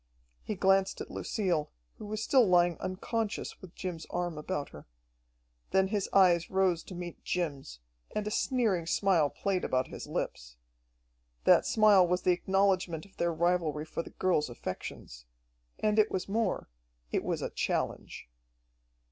He glanced at Lucille, who was still lying unconscious with Jim's arm about her. Then his eyes rose to meet Jim's, and a sneering smile played about his lips. That smile was the acknowledgment of their rivalry for the girl's affections. And it was more it was a challenge.